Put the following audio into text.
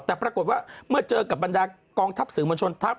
แต่ปรากฏว่าเมื่อเจอกับบรรดากองทัพสื่อมวลชนทัพ